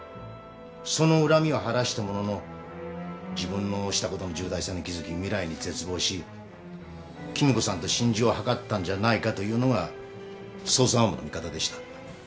その恨みを晴らしたものの自分のしたことの重大さに気づき未来に絶望し貴美子さんと心中を図ったんじゃないかというのが捜査本部の見方でした。